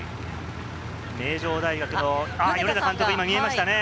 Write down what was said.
名城大学の米田監督、見えましたね。